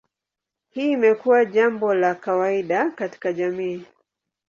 Hii imekuwa jambo la kawaida katika jamii.